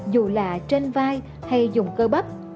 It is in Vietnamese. dù là trên vai hay dùng cơ bắp